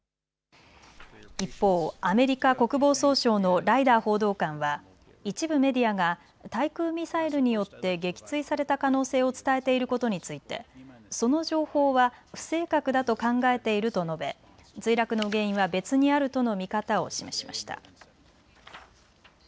一方、アメリカ国防総省のライダー報道官は一部メディアが対空ミサイルによって撃墜された可能性を伝えていることについてその情報は不正確だと考えていると述べ墜落の原因は別にあるとの見方を示しました。